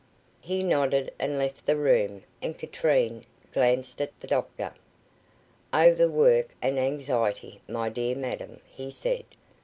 He nodded, and left the room, and Katrine glanced at the doctor. "Over work and anxiety, my dear madam," he said.